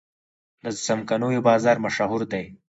د څمکنیو بازار مشهور دی